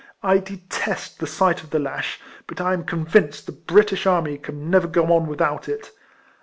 I detest the sight of the lash; but I am convinced the British army can never go on without it.